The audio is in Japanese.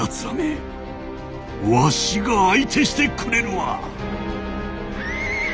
らめわしが相手してくれるわ！